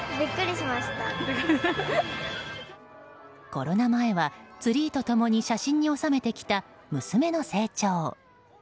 コロナ前は、ツリーと共に写真に収めてきた娘の成長。